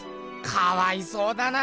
かわいそうだな！